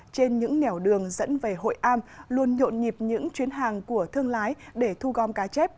trên những nẻo đường dẫn về hội am luôn nhộn nhịp những chuyến hàng của thương lái để thu gom cá chép